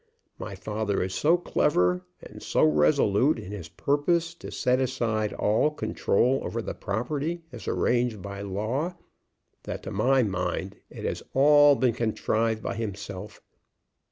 My father is so clever, and so resolute in his purpose to set aside all control over the property as arranged by law, that to my mind it has all been contrived by himself.